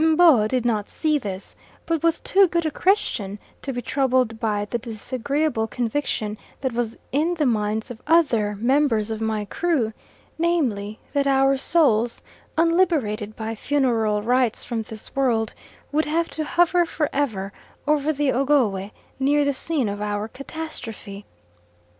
M'bo did not see this, but was too good a Christian to be troubled by the disagreeable conviction that was in the minds of other members of my crew, namely, that our souls, unliberated by funeral rites from this world, would have to hover for ever over the Ogowe near the scene of our catastrophe.